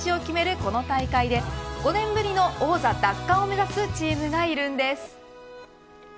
この大会で５年ぶりの王座奪還を目指すチームがいるんです。